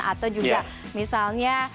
atau juga misalnya